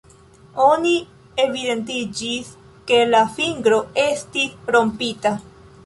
Oni evidentiĝis ke la fingro estis rompita.